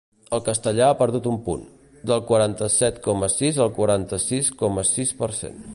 El castellà ha perdut un punt: del quaranta-set coma sis al quaranta-sis coma sis per cent.